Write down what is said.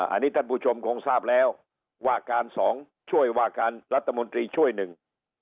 อันนี้ท่านผู้ชมคงทราบแล้วว่าการสองช่วยว่าการรัฐมนตรีช่วยหนึ่ง